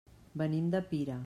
Venim de Pira.